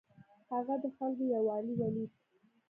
هغه د خلکو یووالی ولید.